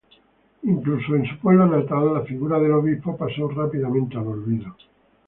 Incluso en su pueblo natal, la figura del obispo pasó rápidamente al olvido.